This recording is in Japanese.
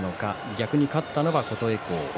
逆に勝ったのは琴恵光。